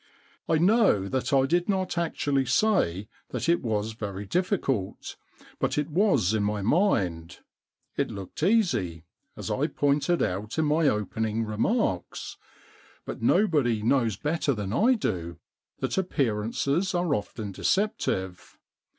I know that I did not actually say that it was very difficult, but it was in my mind. It looked easy, as I pointed out in my opening remarks, but nobody knows better than I do that appearances are often deceptive.